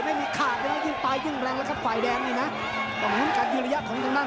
แผ่วหรือเปล่าแผ่วหรือเปล่า